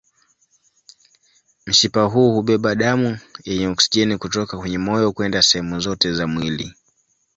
Mshipa huu hubeba damu yenye oksijeni kutoka kwenye moyo kwenda sehemu zote za mwili.